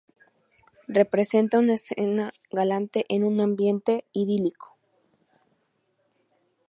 Representa una escena galante en un ambiente idílico.